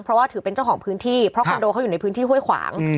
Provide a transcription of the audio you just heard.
เพราะว่าถือเป็นเจ้าของพื้นที่เพราะคอนโดเขาอยู่ในพื้นที่ห้วยขวาง